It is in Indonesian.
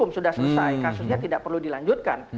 sudah selesai kasusnya tidak perlu dilanjutkan